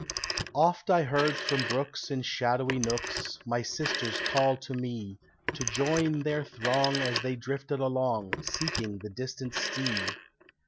Oft I heard from brooks in shadowy nooks My sisters call to me To join their throng as they drifted along, Seeking the distant sea.